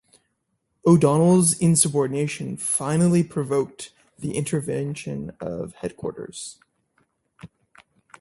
O'Donnell's insubordination finally provoked the intervention of Headquarters.